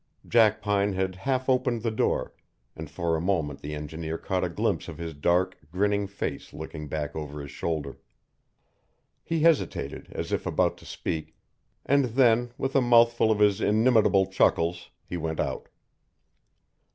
Jackpine had half opened the door, and for a moment the engineer caught a glimpse of his dark, grinning face looking back over his shoulder. He hesitated, as if about to speak, and then with a mouthful of his inimitable chuckles, he went out.